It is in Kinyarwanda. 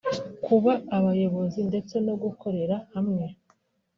kuba abayobozi ndetse no gukorera hamwe